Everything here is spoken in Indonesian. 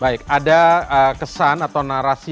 baik ada kesan atau narasi yang berikutnya